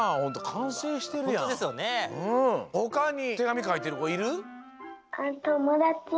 ほかにてがみかいてるこいる？